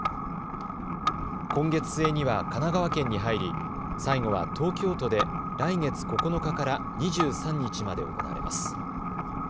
今月末には神奈川県に入り、最後は東京都で来月９日から２３日まで行われます。